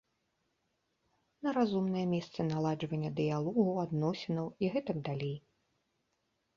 На разумныя месцы наладжвання дыялогу, адносінаў і гэтак далей.